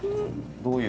どういう